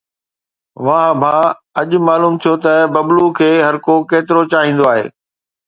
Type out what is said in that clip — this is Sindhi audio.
واهه ڀاءُ، اڄ معلوم ٿيو ته ببلو کي هر ڪو ڪيترو چاهيندو آهي